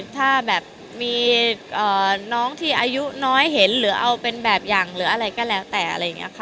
ถ้าแบบมีน้องที่อายุน้อยเห็นหรือเอาเป็นแบบอย่างหรืออะไรก็แล้วแต่อะไรอย่างนี้ค่ะ